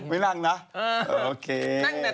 นี่ตอแหละ